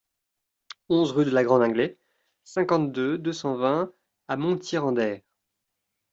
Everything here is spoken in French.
onze rue de la Grande Inglée, cinquante-deux, deux cent vingt à Montier-en-Der